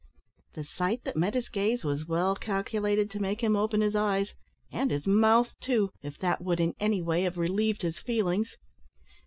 The sight that met his gaze was well calculated to make him open his eyes, and his mouth too, if that would in any way have relieved his feelings.